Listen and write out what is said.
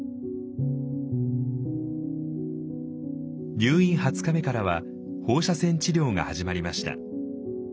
入院２０日目からは放射線治療が始まりました。